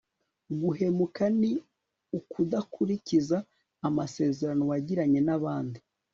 guhemuka ni ukudakurikiza amasezerano wagiranye n'abandi